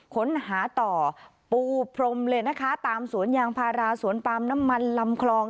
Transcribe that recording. ค้นหาต่อปูพรมเลยนะคะตามสวนยางพาราสวนปาล์มน้ำมันลำคลอง